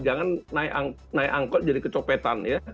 jangan naik angkot jadi kecopetan ya